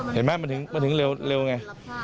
เห็นไหมมันถึงเร็วไง